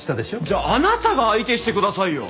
じゃああなたが相手してくださいよ。